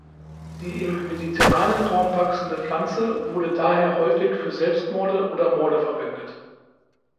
Die im mediterranen Raum wachsende Pflanze wurde daher häufig für Selbstmorde oder Morde verwendet.